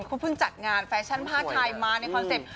เขาเพิ่งจัดงานแฟชั่นผ้าไทยมาในคอนเซ็ปต์